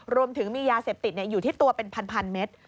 รวมถึงมียาเสพติดอยู่ที่ตัวเป็นพันเมตร